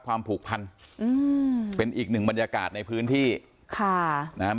ผูกพันอืมเป็นอีกหนึ่งบรรยากาศในพื้นที่ค่ะนะฮะ